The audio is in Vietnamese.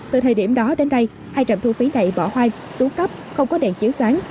từ thời điểm đó đến nay hai trạm thu phí này bỏ hoang xuống cấp không có đèn chiếu sáng